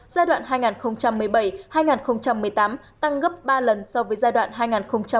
giai đoạn hai nghìn một mươi bảy hai nghìn một mươi tám tăng gấp ba lần so với giai đoạn hai nghìn một mươi một hai nghìn một mươi bảy